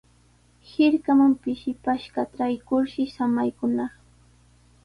Hirkaman pishipashqa traykurshi samaykunaq.